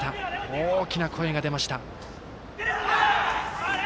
大きな声が出ました。